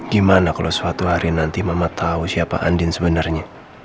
gimana kalau suatu hari nanti mama tahu siapa andin sebenarnya